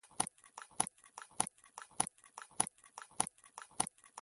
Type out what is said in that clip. د اسلامي نظام بايد د سر په بيه وساتل شي